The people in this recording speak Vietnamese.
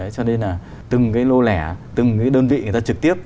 cho nên là từng cái lô lẻ từng cái đơn vị người ta trực tiếp